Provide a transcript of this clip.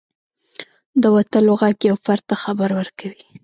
• د وتلو ږغ یو فرد ته خبر ورکوي.